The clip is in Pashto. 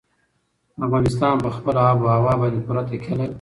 افغانستان په خپله آب وهوا باندې پوره تکیه لري.